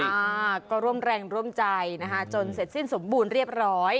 อ่าก็ร่วมแรงร่วมใจนะคะจนเสร็จสิ้นสมบูรณ์เรียบร้อย